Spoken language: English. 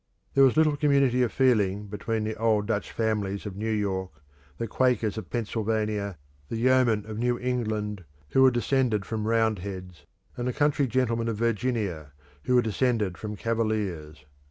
There was little community of feeling between the old Dutch families of New York, the Quakers of Pennsylvania, the yeomen of New England, who were descended from Roundheads, and the country gentlemen of Virginia, who were descended from Cavaliers.